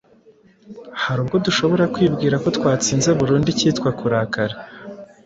Hari ubwo dushobora kwibwira ko twatsinze burundu ikitwa kurakara,